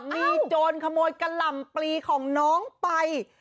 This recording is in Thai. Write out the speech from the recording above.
มีโจรขโมยกะหล่ำปลีของน้องไป